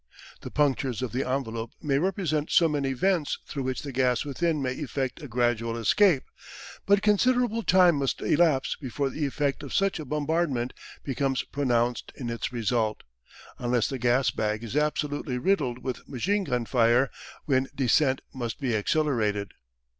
The punctures of the envelope may represent so many vents through which the gas within may effect a gradual escape, but considerable time must elapse before the effect of such a bombardment becomes pronounced in its result, unless the gas bag is absolutely riddled with machine gun fire, when descent must be accelerated.